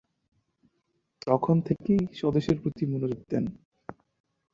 তখন থেকেই স্বদেশের প্রতি মনোযোগ দেন।